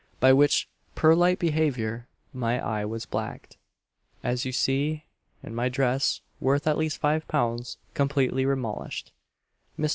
by which purlite behaviour my eye was blacked, as you see, and my dress, worth at least five pounds, completely remollished. Mr.